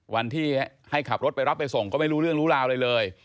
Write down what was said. วันที่ให้ขับรถไปรับไปส่งก็ไม่รู้เรื่องรู้ราวอะไรเลย